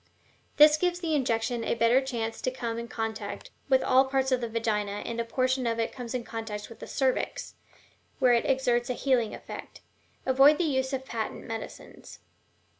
This gives the injection a better chance to come in contact with all the parts of the vagina, and a portion of it comes in contact with the cervix, where it exerts a healing effect. Avoid the use of patent medicines."